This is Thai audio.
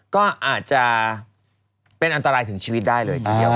ก็อาจจะเป็นอันตรายถึงชีวิตได้เลย